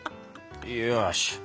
よし。